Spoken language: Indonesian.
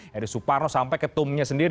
dari suparno sampai ketumnya sendiri